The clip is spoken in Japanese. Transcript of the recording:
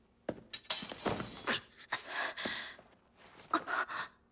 あっ。